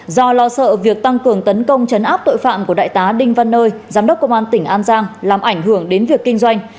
do lo sợ việc tăng cường tấn công chấn áp tội phạm của đại tá đinh văn nơi giám đốc công an tỉnh an giang làm ảnh hưởng đến việc kinh doanh